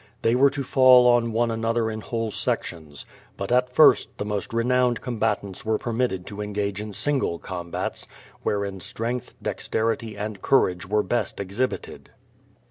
They were to fall on one another in whole sections. But at first the most renowned combat ant§ were permitted to engage in single combats, wherein strength, dexterity, and courage were best exhibited.